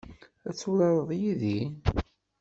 Ad turareḍ yid-i?